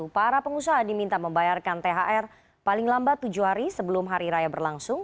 para pengusaha diminta membayarkan thr paling lambat tujuh hari sebelum hari raya berlangsung